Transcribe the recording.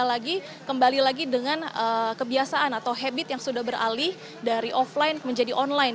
apalagi kembali lagi dengan kebiasaan atau habit yang sudah beralih dari offline menjadi online